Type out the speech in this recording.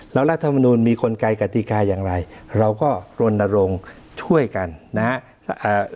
แล้วรัฐมนุนมีกลไกกติกาอย่างไรเราก็รณรงค์ช่วยกันนะครับ